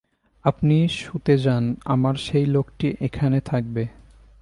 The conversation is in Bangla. আপনি শুতে যান, আমার সেই লোকটি এখানে থাকবে।